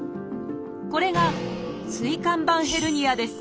これが「椎間板ヘルニア」です。